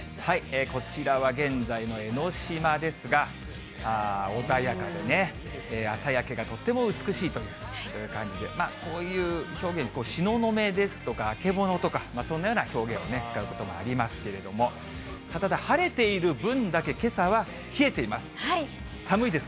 こちらは現在の江の島ですが、穏やかでね、朝焼けがとっても美しいという感じで、こういう表現、しののめですとか、あけぼのとか、そんなような表現を使うことがありますけど、晴れている分だけけさは冷えています。